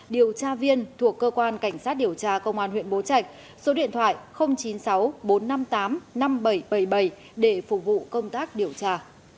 điều tra viên thuộc cơ quan cảnh sát điều tra công an huyện bố trạch số điện thoại chín mươi sáu bốn trăm năm mươi tám năm nghìn bảy trăm bảy mươi bảy để phục vụ công tác điều tra